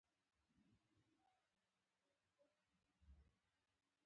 اې وحشته صبر وکړه ځمکه سره ده.